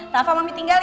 rafa mami tinggal